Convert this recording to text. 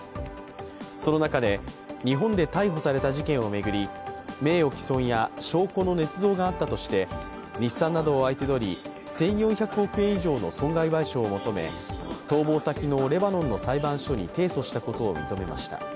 その中で、日本で逮捕された事件を巡り、名誉毀損や証拠のねつ造があったとして、日産などを相手取り１４００億円以上の損害賠償を求め、逃亡先のレバノンの裁判所に提訴したことを認めました。